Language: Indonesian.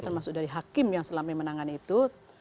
termasuk dari hakim yang selama menangani itu